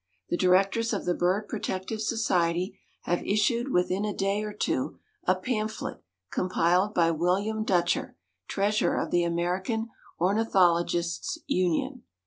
The directors of the bird protective society have issued within a day or two a pamphlet compiled by William Dutcher, treasurer of the American Ornithologists' Union.